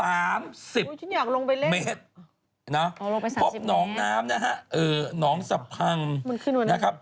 อ๋อลงไป๓๐เมตรพบหนองน้ำนะฮะเออหนองสะพังนะครับ